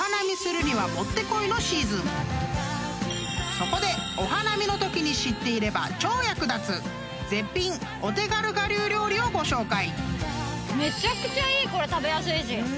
［そこでお花見のときに知っていれば超役立つ絶品お手軽我流料理をご紹介！］